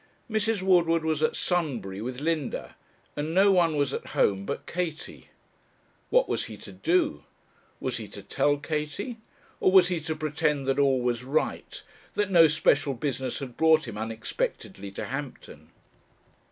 Mrs. Woodward was at Sunbury with Linda, and no one was at home but Katie. What was he to do? was he to tell Katie? or was he to pretend that all was right, that no special business had brought him unexpectedly to Hampton?